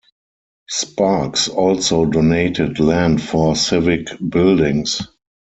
Sparks also donated land for civic buildings.